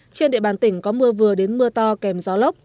trên địa bàn tỉnh có mưa vừa đến mưa to kèm gió lốc